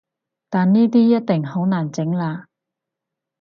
但呢啲一定好難整喇